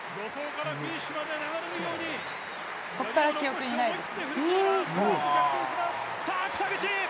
ここから記憶にないです。